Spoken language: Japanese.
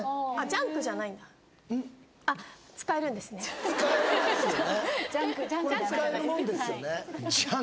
ジャンクじゃないこれ使えるもんですよね